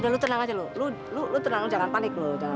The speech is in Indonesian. lo tenang aja lo lo tenang jangan panik lo